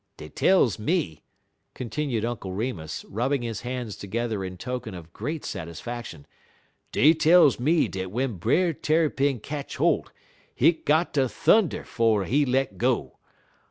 Dey tells me," continued Uncle Remus, rubbing his hands together in token of great satisfaction, "dey tells me dat w'en Brer Tarrypin ketch holt, hit got ter thunder 'fo' he let go.